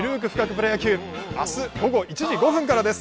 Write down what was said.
プロ野球」明日午後１時５分からです。